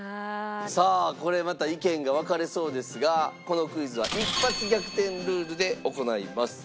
さあこれまた意見が分かれそうですがこのクイズは一発逆転ルールで行います。